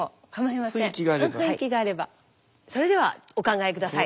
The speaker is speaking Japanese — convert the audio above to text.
それではお考えください。